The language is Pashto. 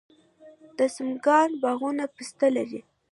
د سمنګان باغونه پسته لري.